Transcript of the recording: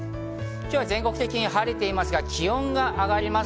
今日は全国的に晴れていますが、気温が上がります。